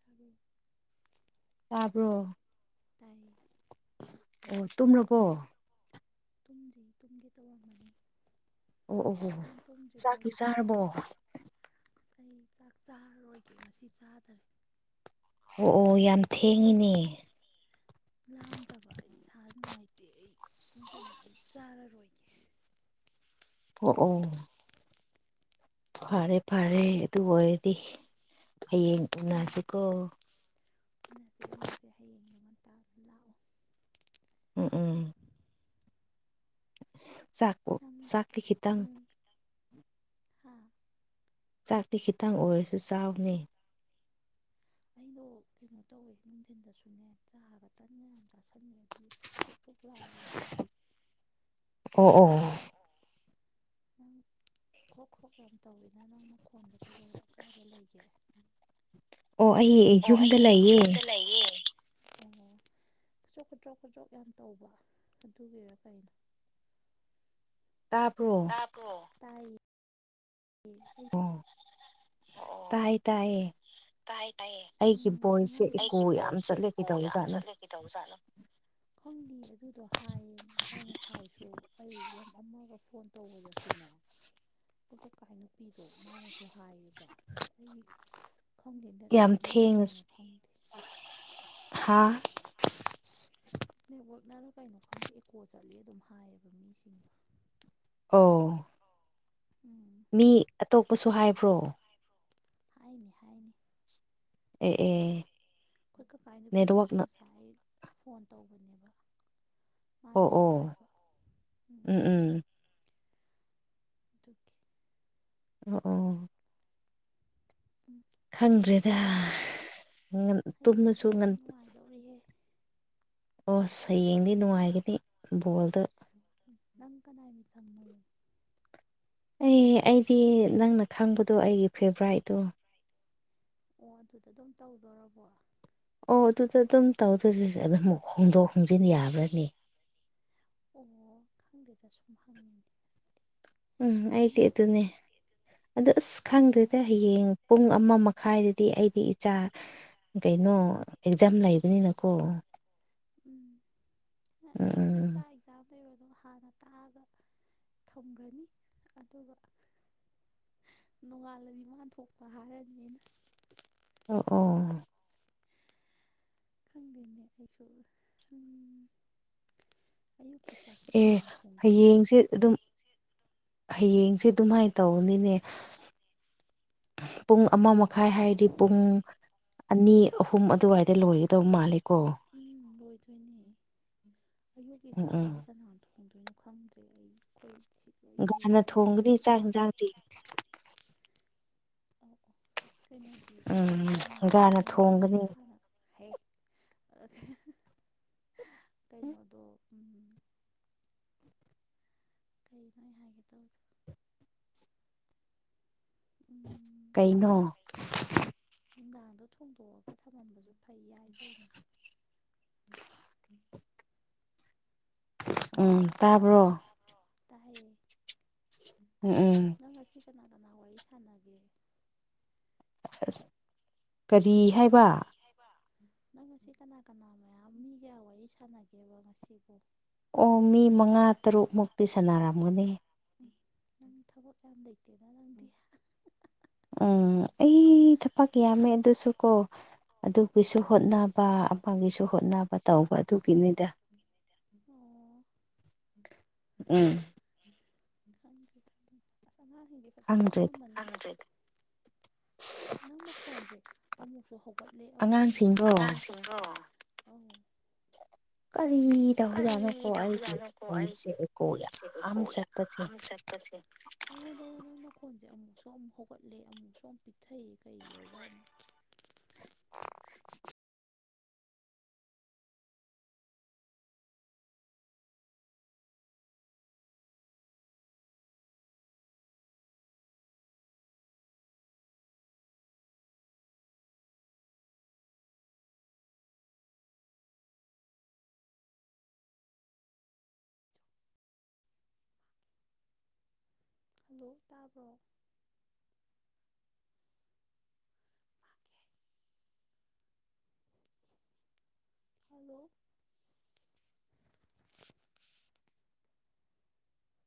[unintelligible] ꯇꯥꯕ꯭ꯔꯣ ꯇꯥꯏ ꯇꯨꯝꯔꯕꯣ ꯇꯨꯝꯗ꯭ꯔꯤ ꯇꯨꯝꯒꯦ ꯇꯧꯔꯝꯕꯅꯤ ꯑꯣ ꯑꯣ ꯑꯣ ꯅꯪ ꯇꯨꯝꯗ꯭ꯔꯤꯕꯣ ꯆꯥꯛꯇꯤ ꯍꯧꯖꯤꯛꯐꯥꯎ ꯆꯥꯔꯕꯣ ꯑꯁ ꯑꯩ ꯆꯥꯛ ꯆꯥꯔꯔꯣꯏꯒꯦ ꯉꯁꯤ ꯆꯥꯗꯔꯦ ꯑꯣ ꯑꯣ ꯌꯥꯝ ꯊꯦꯡꯉꯤꯅꯦ ꯂꯥꯝꯗ꯭ꯔꯕ ꯑꯩ ꯏꯁꯥ ꯅꯨꯡꯉꯥꯏꯇꯦ ꯑꯩ ꯑꯗꯨꯅ ꯑꯩ ꯆꯥꯔꯔꯣꯏꯒꯦ ꯑꯣ ꯎꯝ ꯐꯔꯦ ꯐꯔꯦ ꯑꯗꯨ ꯑꯣꯏꯔꯗꯤ ꯍꯌꯦꯡ ꯎꯝ ꯎꯅꯁꯤꯀꯣ ꯍꯌꯦꯡꯗꯨ ꯉꯟꯇꯥꯅ ꯂꯥꯛꯑꯣ ꯎꯝ ꯎꯝ ꯆꯥꯛꯄꯨ ꯅꯪ ꯆꯥꯛꯇꯤ ꯈꯤꯇꯪ ꯍꯥꯥ ꯆꯥꯛꯇꯤ ꯈꯤꯇꯪ ꯑꯣꯏꯔꯁꯨ ꯆꯥꯎꯅꯦ ꯑꯩꯗꯣ ꯀꯩꯅꯣ ꯇꯧꯋꯦ ꯅꯨꯡꯊꯤꯟꯗꯁꯨꯅꯦ ꯆꯥꯒ ꯇꯟꯒ ꯌꯥꯝ ꯆꯥꯁꯟꯂꯦ ꯑꯗꯨꯒꯤ ꯐꯨꯛ ꯐꯨꯛ ꯐꯨꯛ ꯂꯥꯎꯋꯦ ꯏꯁꯥꯁꯦ ꯑꯣ ꯑꯣ [unintelligible] ꯈꯣꯛ ꯈꯣꯛ ꯌꯥꯝ ꯇꯧꯋꯤꯅ ꯅꯪ ꯃꯈꯣꯟꯗ ꯀꯩꯗꯧꯔꯦ ꯀꯥꯏꯗ ꯂꯩꯒꯦ ꯑꯣ ꯑꯩ ꯑꯣ ꯌꯨꯝꯗ ꯑꯩ ꯂꯩꯌꯦ ꯌꯨꯝꯗ ꯂꯩꯌꯦ ꯑꯣ ꯈꯨꯇꯣꯛ ꯈꯨꯣꯗ꯭ꯔꯣꯛ ꯈꯨꯗ꯭ꯔꯣꯛ ꯌꯥꯝ ꯇꯧꯕ ꯑꯗꯨꯒꯤꯔ ꯀꯩꯅꯣ ꯇꯥꯕꯔꯣ ꯑꯣ ꯇꯥꯏꯌꯦ ꯑꯣ [unintelligible] ꯇꯥꯏ ꯇꯥꯏꯌꯦ ꯇꯥꯏ ꯇꯥꯏꯌꯦ ꯑꯩꯒꯤ ꯎꯝ ꯚꯣꯏꯁꯁꯦ ꯏꯀꯣ ꯑꯩꯒꯤ ꯌꯥꯝ ꯕꯣꯏꯁꯁꯦ ꯆꯠꯂꯦ ꯏꯀꯣ ꯌꯥꯝ ꯀꯩꯗꯧꯖꯥꯠꯅꯣ ꯆꯠꯂꯦ ꯀꯔꯤ ꯇꯧꯖꯥꯠꯂꯣ ꯈꯪꯗꯤꯌꯦ ꯑꯗꯨꯗꯣ ꯍꯥꯏꯌꯦ ꯉꯁꯥꯏ ꯉꯁꯥꯏꯁꯨ ꯑꯩ ꯑꯃꯒ ꯐꯣꯟ ꯇꯧꯕꯗꯁꯨꯅꯦ ꯎꯝ ꯑꯩꯈꯣꯏ ꯀꯀꯥꯏ ꯅꯨꯄꯤꯗꯣ ꯃꯥꯅꯁꯨ ꯍꯥꯏꯌꯦꯕ ꯑꯩꯒꯤ ꯈꯪꯗꯦ ꯅꯦꯠ ꯋꯛꯅꯔꯣ ꯀꯌꯥꯃꯨꯛ ꯈꯪꯗꯦ ꯑꯩꯁꯨ ꯍꯥꯥ ꯅꯦꯠꯋꯥꯛꯅꯔꯥ ꯀꯩꯅꯣ ꯈꯪꯗꯦ ꯏꯀꯣ ꯆꯠꯂꯤ ꯑꯗꯨꯝ ꯍꯥꯏꯌꯦꯕ ꯃꯤꯁꯤꯡꯗꯣ ꯑꯧ ꯎꯝ ꯃꯤ ꯑꯇꯣꯞꯄꯁꯨ ꯍꯥꯏꯕ꯭ꯔꯣ ꯍꯥꯏꯅꯦ ꯍꯥꯏꯅꯦ ꯑꯦ ꯑꯦ ꯑꯩꯈꯣꯏ ꯀꯀꯥ ꯅꯨꯄꯤꯗꯨꯁꯨ ꯅꯦꯠꯋꯥꯛꯅ ꯉꯁꯥꯏ ꯐꯣꯟ ꯇꯧꯕꯅꯦꯕ ꯑꯣ ꯃꯥꯅꯁꯨ ꯑꯣ ꯍꯥꯏꯕ ꯎꯝ ꯇꯨꯀꯤ ꯑꯃ ꯑꯣ ꯎꯝ ꯈꯪꯗ꯭ꯔꯦꯗ ꯍꯌꯦꯡ ꯉꯜ ꯇꯨꯝꯃꯁꯨ ꯉꯟ__ ꯇꯧꯔꯤꯍꯦ ꯑꯣꯁ ꯍꯌꯦꯡꯗꯤ ꯅꯨꯡꯉꯥꯏꯒꯅꯤ ꯕꯣꯜꯗ ꯅꯪꯀꯅꯥꯏ ꯃꯤꯆꯪꯅꯣ ꯑꯦ ꯑꯩꯗꯤ ꯅꯪꯅ ꯈꯪꯕꯗꯣ ꯑꯩꯒꯤ ꯐꯦꯚꯔꯥꯏꯠꯇꯣ ꯑꯣ ꯑꯗꯨꯗ ꯑꯗꯨꯝ ꯇꯧꯗꯣꯔꯕꯣ ꯑꯣ ꯑꯗꯨꯗ ꯑꯗꯨꯝ ꯇꯧꯗꯔꯦ ꯑꯗꯨꯝ ꯍꯣꯡꯗꯣꯛ ꯍꯣꯡꯖꯤꯟ ꯌꯥꯕ꯭ꯔꯅꯦ ꯑꯣ ꯈꯪꯗꯦꯗ ꯁꯨꯝ ꯍꯪꯉꯤꯅꯤ ꯎꯝ ꯑꯩꯗꯤ ꯑꯗꯨꯅꯦ ꯑꯗꯣ ꯑꯁ ꯑꯣ ꯈꯪꯗꯦꯗ ꯍꯌꯦꯡ ꯄꯨꯡ ꯑꯃ ꯃꯈꯥꯏꯗꯗꯤ ꯑꯩꯗꯤ ꯏꯆꯥ ꯒꯩꯅꯣ ꯑꯦꯛꯖꯥꯝ ꯂꯩ__ ꯕꯤꯅꯤꯅꯀꯣ ꯎꯝ ꯎꯝ ꯑꯩꯗꯤ ꯎꯝ ꯆꯥꯛ ꯑꯦꯛꯖꯥꯝ ꯂꯩꯕꯗꯣ ꯍꯥꯟꯅ ꯇꯥꯛꯑꯒ ꯊꯝꯒ꯭ꯔꯅꯤ ꯑꯗꯨꯒ ꯅꯣꯡꯉꯥꯜꯂꯗꯤ ꯃꯥꯟ ꯊꯣꯛꯄ ꯍꯥꯏꯔꯅꯤꯅ ꯑꯣ ꯑꯣ ꯈꯪꯗꯦꯅꯦ ꯑꯩꯁꯨ ꯎꯝ ꯑꯌꯨꯛꯀꯤ ꯆꯥꯛꯇꯤ ꯀꯅꯥꯥꯅ ꯊꯣꯡꯗꯣꯏ ꯖꯥꯠꯅꯣ ꯑꯦ ꯑꯗꯨꯝ ꯍꯌꯦꯡꯖꯦ ꯑꯗꯨꯃꯥꯏꯅ ꯇꯧꯅꯤꯅꯦ ꯄꯨꯡ ꯑꯃ ꯃꯛ__ ꯈꯥꯏ ꯍꯥꯏꯔꯗꯤ ꯄꯨꯡ ꯑꯅꯤ ꯑꯍꯨꯝ ꯑꯗꯨꯋꯥꯏꯗ ꯂꯣꯏꯒꯗꯧ ꯃꯥꯜꯂꯦꯀꯣ ꯎꯪ ꯂꯣꯏꯗꯣꯏꯅꯦ ꯑꯌꯨꯛꯀꯤ ꯎꯝ ꯆꯥꯛꯀꯗꯤ ꯎꯝ ꯀꯅꯥꯅ ꯊꯣꯡ__ ꯊꯣꯡꯗꯣꯏꯅꯣ ꯈꯪꯗ꯭ꯔꯦ ꯑꯩ ꯈꯣꯏ ꯥꯒꯥꯅ ꯊꯣꯡꯒꯅꯤ ꯆꯥꯛ ꯍꯦꯟꯖꯥꯡꯗꯤ ꯑꯣ ꯑꯣ ꯀꯩꯅꯣꯗꯤ ꯎꯝ ꯒꯥꯅ ꯅꯨꯡꯗꯥꯡꯗ ꯊꯣꯡꯒꯅꯤ ꯍꯥꯟꯅ ꯍꯦ ꯑꯥ ꯀꯩꯅꯣꯗꯣ ꯎꯝ ꯀꯩꯅꯣ ꯑꯩ ꯍꯥꯏꯒꯦꯇꯧꯕꯗꯣ ꯎꯝ ꯀꯩꯅꯣ ꯅꯨꯡꯗꯥꯡꯗꯣ ꯊꯣꯡꯗꯣꯛꯑꯒ ꯊꯝꯃꯝꯕꯖꯨ ꯐꯩ ꯌꯥꯏ ꯀꯩꯅꯣ ꯎꯪ ꯇꯥꯕ꯭ꯔꯣ ꯇꯥꯕ꯭ꯔꯣ ꯇꯥꯌꯦ ꯎꯝ ꯎꯝ ꯅꯪ ꯉꯁꯤ ꯀꯅꯥ ꯀꯅꯥ ꯋꯥꯔꯤ ꯁꯥꯟꯅꯒꯦ ꯑꯁ ꯀꯔꯤ ꯍꯥꯏꯕ ꯅꯪ ꯉꯁꯤ ꯀꯅꯥ ꯀꯅꯥ ꯃꯌꯥꯝ ꯃꯤ ꯀꯌꯥ ꯋꯥꯔꯤ ꯁꯥꯟꯅꯒꯦꯕ ꯉꯁꯤꯕꯨ ꯑꯣ ꯃꯤ ꯃꯉꯥ ꯇꯔꯨꯛꯃꯨꯛꯇꯤ ꯁꯥꯟꯅꯔꯝꯒꯅꯤ ꯑꯦ ꯅꯪ ꯊꯕꯛ ꯌꯥꯝ ꯂꯩꯇꯦꯅ ꯅꯪꯗꯤ ꯎꯝ ꯑꯩ ꯊꯄꯛ ꯌꯥꯝꯃꯦ ꯑꯗꯨꯁꯨꯀꯣ ꯑꯗꯨꯒꯤꯁꯨ ꯍꯣꯠꯅꯕ ꯑꯃꯒꯤꯁꯨ ꯍꯣꯠꯅꯕ ꯇꯧꯕ ꯑꯗꯨꯒꯤꯅꯤꯗ ꯑꯣ ꯎꯝ ꯈꯪꯗ꯭ꯔꯦꯗ ꯑꯁ ꯑꯉꯥꯡꯁꯤꯡꯁꯦ ꯐꯖꯅ ꯈꯪꯗ꯭ꯔꯦꯗ ꯇꯨꯃꯟꯃꯅꯤ ꯈꯪꯗ꯭ꯔꯦꯗ ꯅꯪ ꯃꯈꯣꯟꯁꯦ ꯑꯃꯨꯛꯁꯨ ꯍꯧꯒꯠꯂꯦ ꯑꯃꯨꯛꯁꯨ ꯑꯉꯥꯡꯁꯤꯡꯗꯣ ꯑꯉꯥꯡꯁꯤꯡ [unintelligible] ꯑꯧ ꯀꯔꯤ ꯇꯧꯖꯥꯠꯅꯣꯀꯣ ꯑꯩꯒꯤ ꯀꯔꯤꯗꯧꯔꯖꯠꯅꯣꯀꯣ ꯀꯩꯅꯣꯁꯦ ꯑꯩꯒꯤ ꯑꯦꯀꯣ ꯐꯣꯟꯁꯦ ꯌꯥꯝ ꯑꯦꯀꯣ ꯆꯠꯄꯁꯦ ꯌꯥꯝ ꯆꯠ ꯄꯠꯁꯦ ꯑꯩꯉꯣꯟꯗ ꯅꯪ ꯅꯈꯣꯟꯁꯦ ꯑꯃꯣꯛꯁꯨ ꯑꯃꯨꯛ ꯍꯧꯒꯠꯂꯦ ꯑꯃꯣꯛꯁꯨ ꯑꯃꯨꯛ ꯄꯤꯛꯊꯩ ꯀꯩꯒꯤ ꯑꯣꯏꯖꯠꯅꯣ [unintelligible] ꯍꯜꯂꯣ ꯇꯥꯕ꯭ꯔꯣ ꯍꯜꯂꯣ